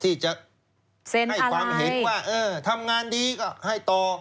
ที่จะให้ความเห็นว่าเออทำงานดีก็ให้ต่อ